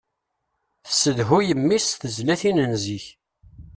Tessedhuy mmi-s s tezlatin n zik.